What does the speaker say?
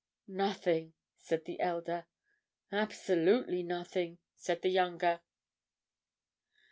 "Nothing," said the elder. "Absolutely nothing!" said the younger.